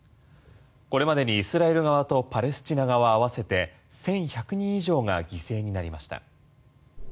これまでにイスラエル側とパレスチナ側合わせて１１００人以上が犠牲になりました。